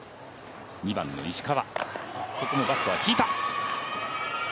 ２番の石川。